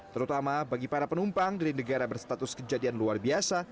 terutama bagi para penumpang dari negara berstatus kejadian luar biasa